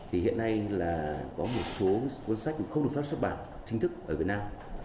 hiện nay có một số cuốn sách không được phát xuất bản chính thức ở việt nam